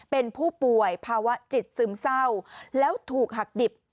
เป็นผู้ป่วยภาวะจิตซึมเศร้าแล้วถูกหักดิบ